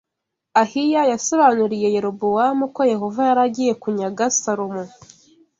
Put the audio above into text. Ahiya yasobanuriye Yerobowamu ko Yehova yari agiye kunyaga Salomo